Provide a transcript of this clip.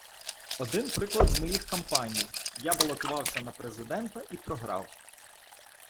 Один приклад з моїх кампаній – я балотувався на президента і програв.